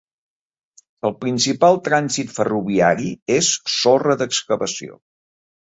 El principal trànsit ferroviari és sorra d'excavació.